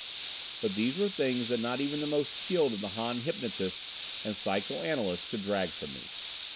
But these were things that not even the most skilled of the Han hypnotists and psychoanalysts could drag from me.